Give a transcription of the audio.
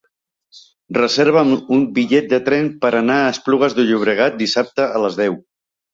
Reserva'm un bitllet de tren per anar a Esplugues de Llobregat dissabte a les deu.